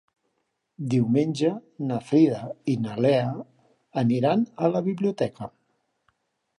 Diumenge na Frida i na Lea aniran a la biblioteca.